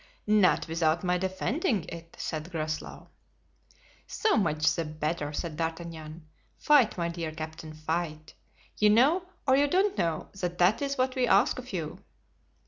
"Not without my defending it," said Groslow. "So much the better," said D'Artagnan. "Fight, my dear captain, fight. You know or you don't know, that that is what we ask of you."